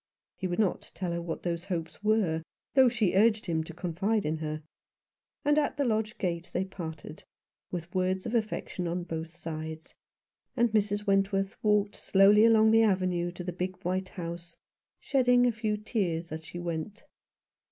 He would not tell her what those hopes were, though she urged him to confide in her ; and at the lodge gate they parted, with words of affection on both sides, and Mrs. Wentworth walked slowly along the avenue to the big white house, shedding a few tears as she went.